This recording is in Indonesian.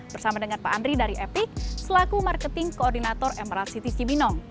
bersama dengan pak andri dari epic selaku marketing koordinator emerald city cibinong